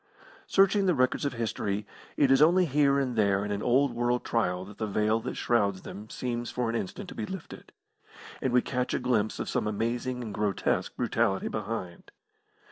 Searching the records of history, it is only here and there in an old world trial that the veil that shrouds them seems for an instant to be lifted, and we catch a glimpse of some amazing and grotesque brutality behind.